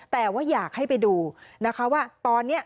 แต่ว่าอยากให้ไปดูนะคะว่าตอนนี้